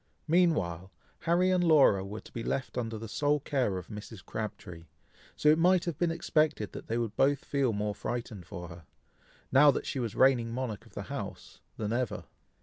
Meanwhile, Harry and Laura were to be left under the sole care of Mrs. Crabtree, so it might have been expected that they would both feel more frightened for her, now that she was reigning monarch of the house, than ever.